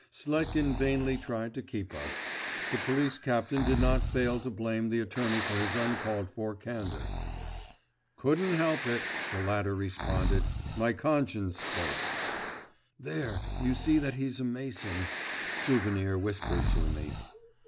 Sletkin vainly tried to keep us. The police captain did not fail to blame the attorney for his uncalled for candour. 'Couldn't help it!' the latter responded.… 'My conscience spoke.' 'There, you see that he's a mason,' Souvenir whispered to me.